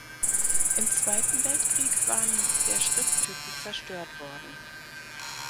Im Zweiten Weltkrieg waren der Schrifttypen zerstört worden.